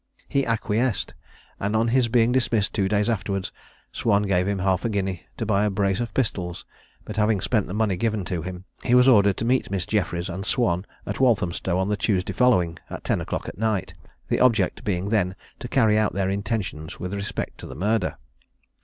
He acquiesced; and on his being dismissed two days afterwards, Swan gave him half a guinea to buy a brace of pistols; but having spent the money given to him, he was ordered to meet Miss Jeffries and Swan at Walthamstow on the Tuesday following, at ten o'clock at night, the object being then to carry out their intentions with respect to the murder.